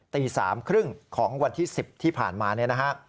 ตี๓๓๐ของวันที่๑๐ที่ผ่านมาเนี่ยนะฮะ